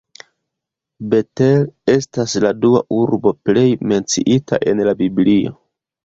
Bet-El estas la dua urbo plej menciita en la Biblio.